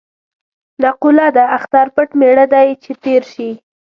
نقوله ده: اختر پټ مېړه نه دی چې تېر شي.